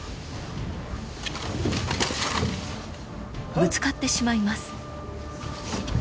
［ぶつかってしまいます］